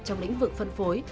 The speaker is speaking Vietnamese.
trong lĩnh vực phân phối